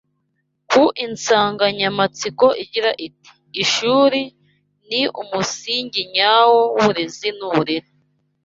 ku nsanganyamatsiko igira iti ‘Ishuri ni umusingi nyawo w’uburezi n’uburere’